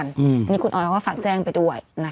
อันนี้คุณออยค่อยฝากแจ้งไปด้วยนะค่ะ